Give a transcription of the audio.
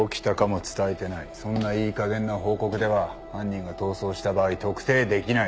そんないいかげんな報告では犯人が逃走した場合特定できない。